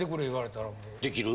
できる？